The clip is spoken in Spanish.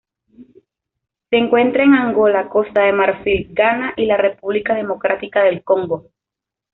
Se encuentra en Angola, Costa de Marfil, Ghana y la República Democrática del Congo.